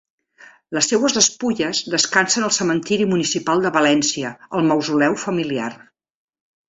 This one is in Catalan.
Les seues despulles descansen al Cementeri Municipal de València, al mausoleu familiar.